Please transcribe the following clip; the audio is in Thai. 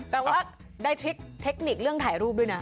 แปลว่าได้ทริคเทคนิคเรื่องถ่ายรูปด้วยนะ